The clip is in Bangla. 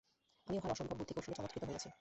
আমি উহার অসম্ভব বুদ্ধিকৌশলে চমৎকৃত হইয়াছি।